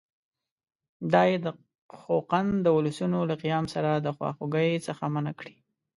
دا یې د خوقند د اولسونو له قیام سره د خواخوږۍ څخه منع کړي.